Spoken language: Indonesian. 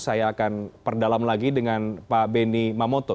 saya akan perdalam lagi dengan pak beni mamoto